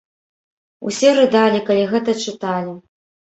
Усе рыдалі, калі гэта чыталі.